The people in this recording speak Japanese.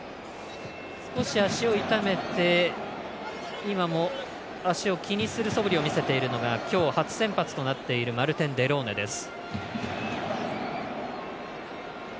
少し足を痛めて足を気にするそぶりを見せているのが今日、初先発となっているマルテン・デローネです。